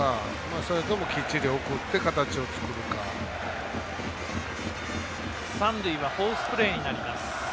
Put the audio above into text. それとも、きっちり送って三塁はフォースプレーになります。